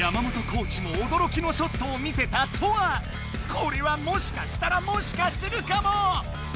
これはもしかしたらもしかするかも！